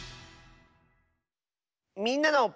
「みんなの」。